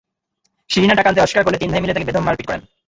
শিরিনা টাকা আনতে অস্বীকার করলে তিন ভাই মিলে তাঁকে বেদম মারধর করেন।